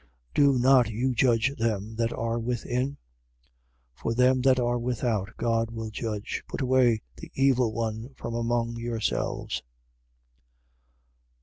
Do not you judge them that are within? 5:13. For them that are without, God will judge. Put away the evil one from among yourselves.